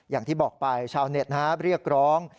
อย่างที่บอกไปชาวเน็ตเรียกร้อง